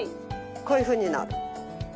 こういうふうになる。